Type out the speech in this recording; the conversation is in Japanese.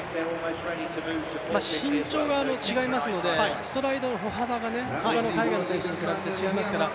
身長が違いますので、ストライドの歩幅が海外の選手と比べて違いますから。